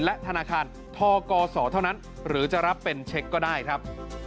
และธนาคารทกศเท่านั้นหรือจะรับเป็นเช็คก็ได้ครับ